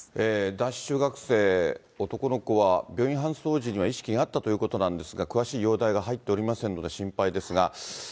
男子中学生、男の子は、病院搬送時には意識があったということなんですが、詳しい容体が入っておりませんので、心配ですが。